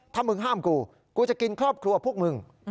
ถ้ามึงห้ามกูกูจะกินครอบครัวพวกมึง